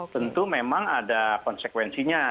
tentu memang ada konsekuensinya